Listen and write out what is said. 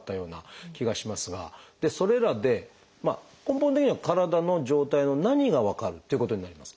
それらで根本的には体の状態の何が分かるっていうことになりますか？